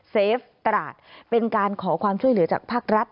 เฟฟตราดเป็นการขอความช่วยเหลือจากภาครัฐ